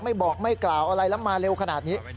ไม่บอกไม่กล่าวอะไรแล้วมาเร็วขนาดนี้